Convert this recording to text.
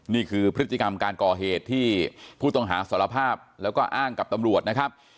นี่คือพฤติกรรมการก่อเหตุที่ผู้ต้องหาสารภาพแล้วก็อ้างกับตำรวจนะครับ